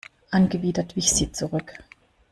Angewidert wich sie zurück.